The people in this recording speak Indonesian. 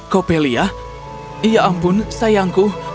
coppelia ya ampun sayangku